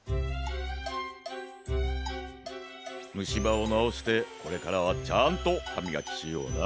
むしばをなおしてこれからはちゃんとはみがきしような。